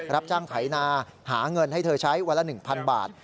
รับจ้างไถนาหาเงินให้เธอใช้วันละ๑๐๐บาท